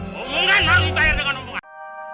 mau ngungan aku bayar dengan untungan